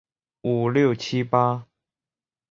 杨贤为台湾明郑时期中末期的文臣。